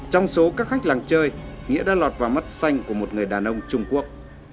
trong số các khách làng chơi nghĩa đã lọt vào mắt xanh của một người đàn ông trung quốc